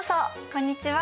こんにちは。